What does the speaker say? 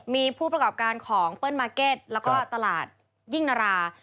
มีผู้ประกอบการของเปิ้ลมาร์เก็ตแล้วก็ตลาดยิ่งนารา